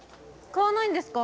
買わないんですか？